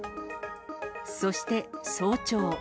そして早朝。